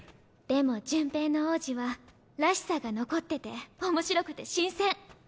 でも潤平の王子はらしさが残ってて面白くて新鮮。